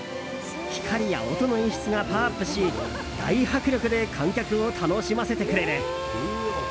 光や音の演出がパワーアップし大迫力で観客を楽しませてくれる。